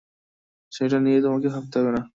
সেটা নিয়ে তোমাকে ভাবতে হবে না।